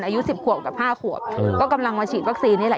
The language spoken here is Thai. อายุ๑๐ขวบกับ๕ขวบก็กำลังมาฉีดวัคซีนนี่แหละ